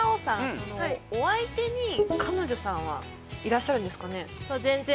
そのお相手に彼女さんはいらっしゃるんですかね？